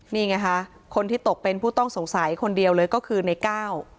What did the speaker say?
นี่ไงค่ะคนที่ตกเป็นผู้ต้องสงสัยคนเดียวเลยก็คือในก้าว